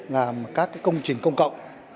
làm các cái công trình công cộng